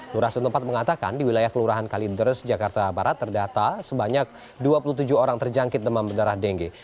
lurah setempat mengatakan di wilayah kelurahan kalideres jakarta barat terdata sebanyak dua puluh tujuh orang terjangkit demam berdarah dengue